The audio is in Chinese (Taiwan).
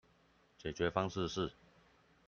解決方式是